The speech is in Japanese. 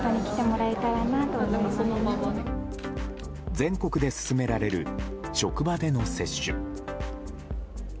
全国で進められる職場での接種。